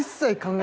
え！